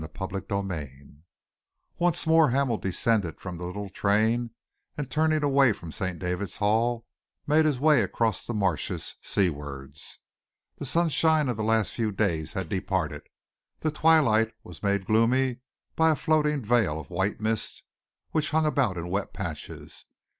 CHAPTER XXVI Once more Hamel descended from the little train, and, turning away from St. David's Hall, made his way across the marshes, seawards. The sunshine of the last few days had departed. The twilight was made gloomy by a floating veil of white mist, which hung about in wet patches.